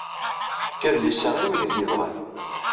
Efk adlis-a i win ay t-yebɣan.